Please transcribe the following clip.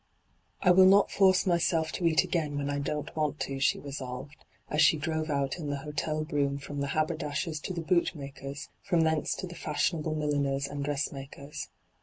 ' I will not force myself to eat again when I don't want to,' she resolved, as she drove out hyGoogIc 128 ENTRAPPED in the hotel brougham firom the haberdashers* to the bootmakers', &om thence to the fashion able milliners' and dressmakers'.